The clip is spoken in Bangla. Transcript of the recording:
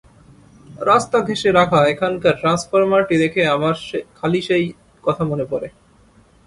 রাস্তা ঘেঁষে রাখা এখানকার ট্রান্সফরমারটি দেখে আমার খালি সেই কথা মনে পড়ে।